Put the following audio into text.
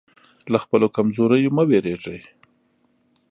له خپلو کمزوریو مه وېرېږئ.